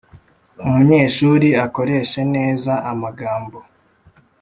umunyeshuri akoreshe neza amagambo